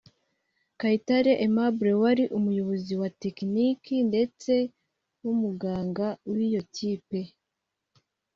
Kayitare Aimable wari umuyobozi wa Tekiniki ndetse n’umuganga w’iyo kipe